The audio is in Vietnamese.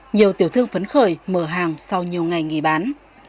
nhiều tiểu thương phấn khởi mở hàng sau nhiều ngày nghỉ bán